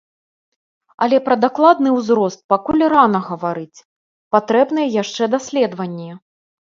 Але пра дакладны ўзрост пакуль рана гаварыць, патрэбныя яшчэ даследаванні.